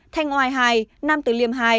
thanh oai hai nam từ liêm hai